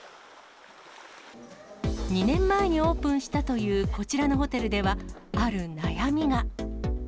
２年前にオープンしたというこちらのホテルでは、ある悩みが。